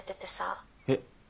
えっ？